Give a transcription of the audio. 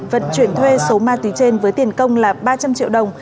vận chuyển thuê số ma túy trên với tiền công là ba trăm linh triệu đồng